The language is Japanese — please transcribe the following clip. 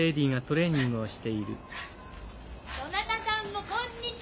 どなたさんもこんにちは！